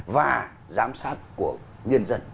và giám sát của nhân dân